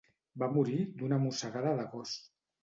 Va morir d'una mossegada de gos.